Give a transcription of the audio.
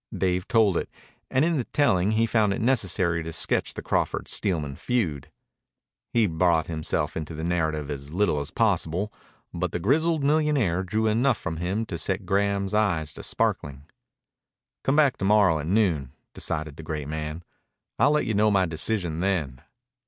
Dave told it, and in the telling he found it necessary to sketch the Crawford Steelman feud. He brought himself into the narrative as little as possible, but the grizzled millionaire drew enough from him to set Graham's eye to sparkling. "Come back to morrow at noon," decided the great man. "I'll let you know my decision then."